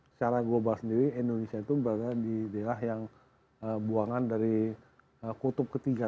secara global sendiri indonesia itu berada di daerah yang buangan dari kutub ketiga